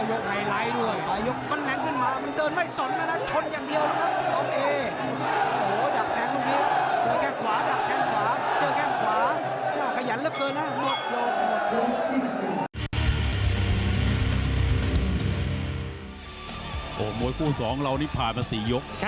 โอ้โหคู่สองเรานี่ผ่านมา๔ยก